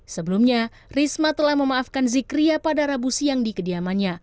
sebelumnya risma telah memaafkan zikria pada rabu siang di kediamannya